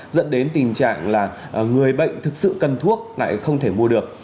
dẫn đến tình trạng là người bệnh thực sự cần thuốc lại không thể mua được